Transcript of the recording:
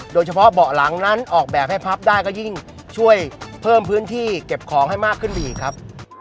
เบาะหลังนั้นออกแบบให้พับได้ก็ยิ่งช่วยเพิ่มพื้นที่เก็บของให้มากขึ้นไปอีกครับ